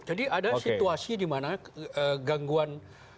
jadi ada situasi dimana gangguan